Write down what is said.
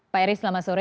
pak eri selamat sore